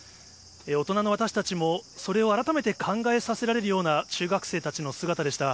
大人の私たちも、それを改めて考えさせられるような中学生たちの姿でした。